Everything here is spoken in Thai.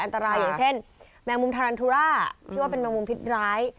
อย่างเช่นแมงมุมทารันทุราที่ว่าเป็นแมงมุมพิษร้าย